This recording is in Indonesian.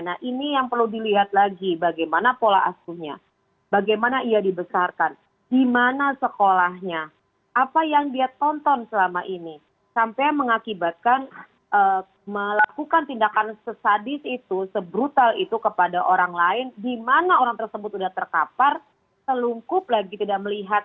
nah ini yang perlu dilihat lagi bagaimana pola asuhnya bagaimana ia dibesarkan di mana sekolahnya apa yang dia tonton selama ini sampai mengakibatkan melakukan tindakan sesadis itu se brutal itu kepada orang lain di mana orang tersebut sudah terkapar selungkup lagi tidak melihat